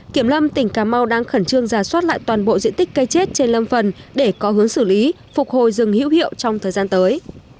kiểm lâm tỉnh cà mau đang khẩn trương giả soát lại toàn bộ diện tích cây chết trên lâm phần để có hướng xử lý phục hồi rừng hữu hiệu trong thời gian tới